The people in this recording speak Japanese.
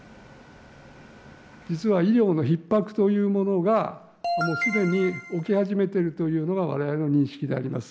実は医療のひっ迫というものが、もうすでに起き始めているというのが、われわれの認識であります。